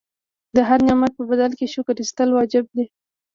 د هر نعمت په بدل کې شکر ایستل واجب دي.